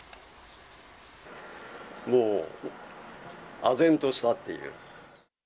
もう、あぜんとしたっていう。